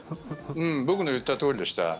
僕の言ったとおりでした。